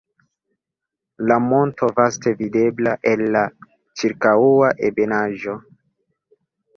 La monto vaste videbla el la ĉirkaŭa ebenaĵo.